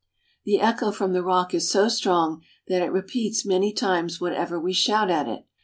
The echo from the rock is so strong that it repeats many times whatever we shout at it.